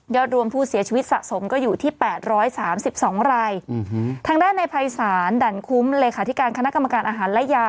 รวมผู้เสียชีวิตสะสมก็อยู่ที่๘๓๒รายทางด้านในภัยศาลดั่นคุ้มเลขาธิการคณะกรรมการอาหารและยา